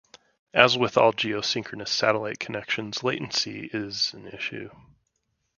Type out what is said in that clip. As with all geosynchronous satellite connections, latency is an issue.